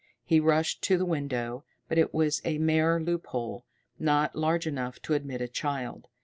He rushed to the window, but it was a mere loophole, not large enough to admit a child.